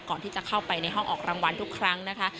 ก่อนที่จะเข้าไปในห้องออกรางวัลทุกครั้งนะคะ